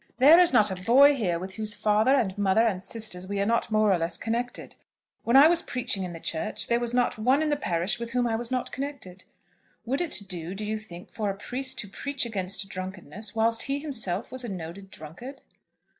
There is not a boy here with whose father and mother and sisters we are not more or less connected. When I was preaching in the church, there was not one in the parish with whom I was not connected. Would it do, do you think, for a priest to preach against drunkenness, whilst he himself was a noted drunkard?"